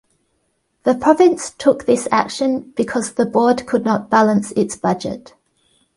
The province took this action because the board could not balance its budget.